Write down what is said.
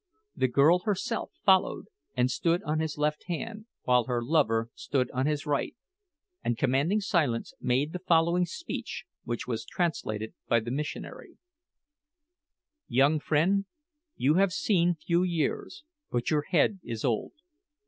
The girl herself followed and stood on his left hand, while her lover stood on his right, and commanding silence, made the following speech, which was translated by the missionary: "Young friend, you have seen few years, but your head is old.